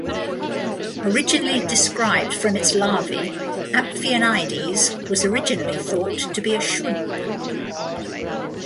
Originally described from its larvae, "Amphionides" was originally thought to be a shrimp.